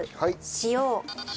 塩。